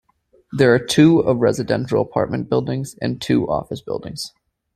There are two of residential apartment buildings, and two office buildings.